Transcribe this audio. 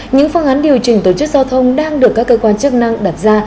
những phương án điều chỉnh tổ chức giao thông đang được các cơ quan chức năng đặt ra